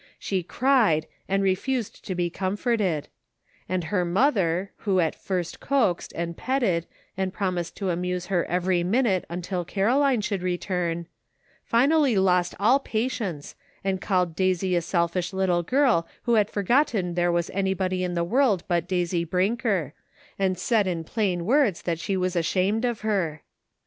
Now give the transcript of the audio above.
She cried, and refused to be comforted ; and her mother, who at first coaxed, and petted, and promised to amuse her every minute until Caroline should return, finally lost all patience and called Daisy a selfish little girl who had forgotten there was anybody in the world but Daisy Brinker ; and said in plain words that she was ashamed of her.